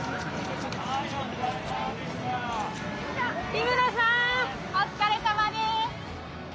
木村さんお疲れさまです。